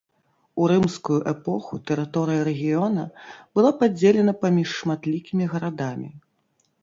У рымскую эпоху тэрыторыя рэгіёна была падзелена паміж шматлікімі гарадамі.